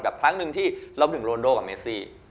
ครั้งหนึ่งที่เราถึงโรนโดกับเมซี่